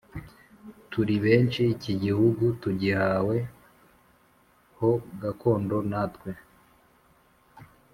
turi benshi Iki gihugu tugihawe ho gakondo natwe